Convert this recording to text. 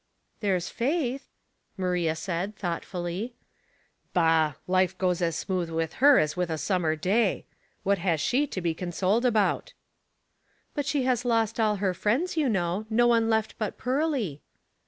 *' There's Faith," Maria said, thoughtfully. '' Bah ! life goes as smooth with her as a summer day. What has she to be consoled about?" "But she has lost all her friends, you know. No one left but Pearly."